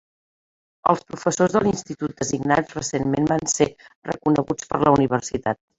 Els professors de l'institut designats recentment van ser reconeguts per la universitat.